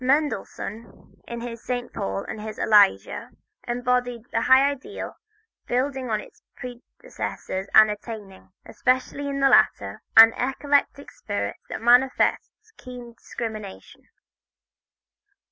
Mendelssohn, in his "St. Paul" and his "Elijah," embodied a high ideal, building on his predecessors and attaining, especially in the latter, an eclectic spirit that manifests keen discrimination.